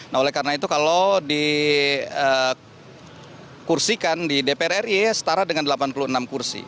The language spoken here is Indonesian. nah oleh karena itu kalau dikursikan di dpr ri setara dengan delapan puluh enam kursi